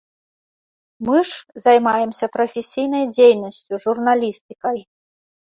Мы ж займаемся прафесійнай дзейнасцю, журналістыкай.